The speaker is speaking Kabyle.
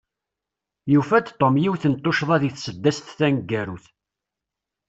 Yufa-d Tom yiwet n tuccḍa deg tsedast taneggarut.